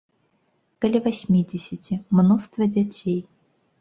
Каля васьмідзесяці, мноства дзяцей.